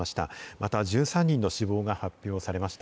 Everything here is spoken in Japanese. また１３人の死亡が発表されました。